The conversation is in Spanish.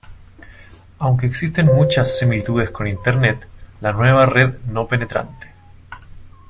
Aunque existen muchas similitudes con Internet, la nueva red no penetrante.